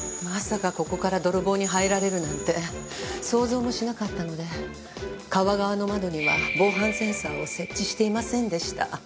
まさかここから泥棒に入られるなんて想像もしなかったので川側の窓には防犯センサーを設置していませんでした。